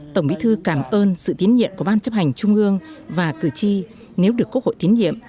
tổng bí thư cảm ơn sự tín nhiệm của ban chấp hành trung ương và cử tri nếu được quốc hội tín nhiệm